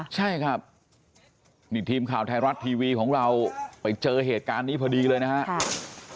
ใช่ครับนี่ทีมข่าวไทยรัฐทีวีของเราไปเจอเหตุการณ์นี้พอดีเลยนะครับ